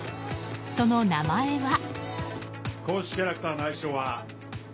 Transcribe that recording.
その名前は。